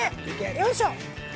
よいしょ！